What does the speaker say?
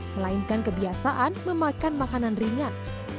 melainkan kebiasaan memakan makanan ringan